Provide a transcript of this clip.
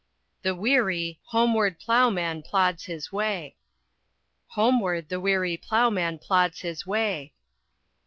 The weary, homeward ploughman plods his way. Homeward the weary ploughman plods his way.